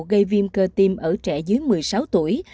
gây viêm cơ tim ở trẻ dưới một mươi sáu tuổi